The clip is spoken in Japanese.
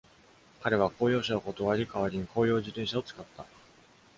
彼は公用車を断り、代わりに公用自転車を使った。